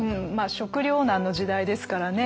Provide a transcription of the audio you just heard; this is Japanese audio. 食糧難の時代ですからね。